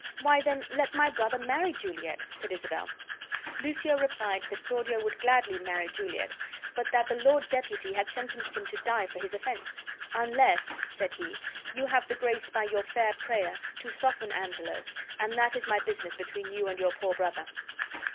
"Why, then, let my brother marry Juliet," said Isabel. Lucio replied that Claudio would gladly marry Juliet, but that the lord deputy had sentenced him to die for his offense. "Unless," said he, "you have the grace by your fair prayer to soften Angelo, and that is my business between you and your poor brother."